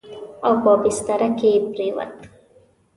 او په بستره کې پرېووت.